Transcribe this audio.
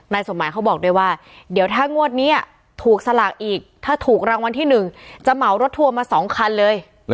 สมหมายเขาบอกด้วยว่าเดี๋ยวถ้างวดนี้ถูกสลากอีกถ้าถูกรางวัลที่๑จะเหมารถทัวร์มา๒คันเลย